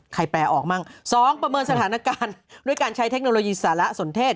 แปลออกมั่งสองประเมินสถานการณ์ด้วยการใช้เทคโนโลยีสารสนเทศ